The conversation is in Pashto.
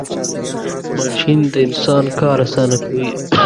ماشین د انسان کار آسانه کوي .